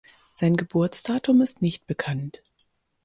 Sein Geburtsdatum ist nicht bekannt.